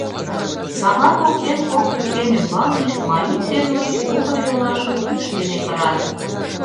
Савар воктен кок пӱкен ӱмбалне Маюк ден Орик тувыр-йолашым ӱш дене кырат.